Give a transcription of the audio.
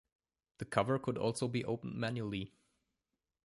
The cover could also be opened manually.